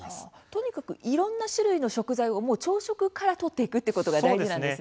とにかく、いろんな種類の食材をもう朝食からとっていくっていうことが大事なんですね。